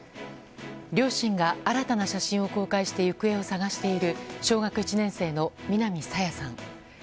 両親が新たな写真を公開して行方を捜している小学１年生の南朝芽さん。